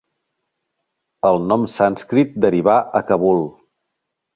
El nom sànscrit derivà a Kabul.